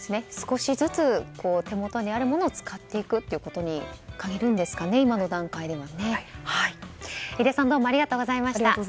少しずつ手元にあるものを使っていくということに限るんですかね、今の段階ではね。